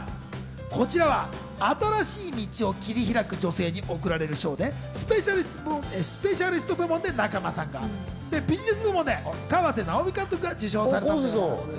こちらは新しい道を切り開く女性に贈られる賞でスペシャリスト部門で仲間さんがビジネス部門で河瀬直美監督が受賞しました。